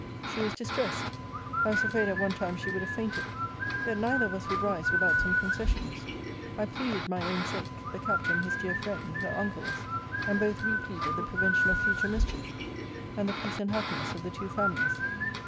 She was distressed. I was afraid at one time she would have fainted. Yet neither of us would rise without some concessions. I pleaded my own sake; the Captain, his dear friend, her uncle's; and both re pleaded the prevention of future mischief; and the peace and happiness of the two families.